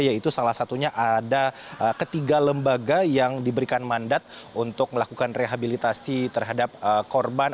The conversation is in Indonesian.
yaitu salah satunya ada ketiga lembaga yang diberikan mandat untuk melakukan rehabilitasi terhadap korban